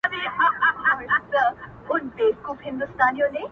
هغې ويله چي تل پرېشان ښه دی-